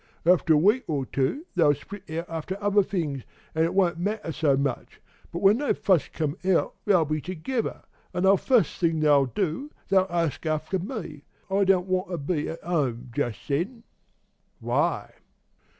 After a week or two they'll split out after other things, an' it won't matter so much; but when they fust come out they'll be together, an' the fust thing they'll do, they'll ask after me. I don't want to be at 'ome just then.' "'Why?'